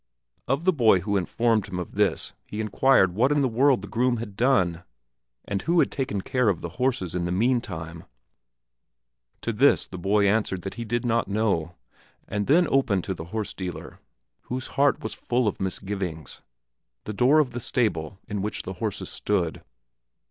Of the boy who informed him of this he inquired what in the world the groom had done, and who had taken care of the horses in the mean time; to this the boy answered that he did not know, and then opened to the horse dealer, whose heart was already full of misgivings, the door of the stable in which the horses stood.